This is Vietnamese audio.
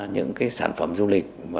những sản phẩm du lịch